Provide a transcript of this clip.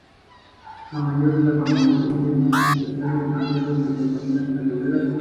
La mayor parte de la ecorregión se ha transformado en terreno agrícola.